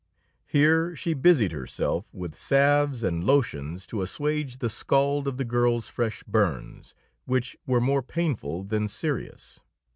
Here she busied herself with salves and lotions to assuage the scald of the girl's fresh burns, which were more painful than serious.